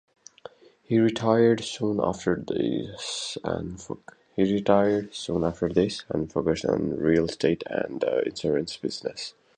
He retired soon after this and focused on real estate and the insurance business.